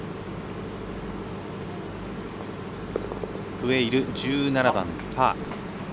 クウェイル、１７番、パー。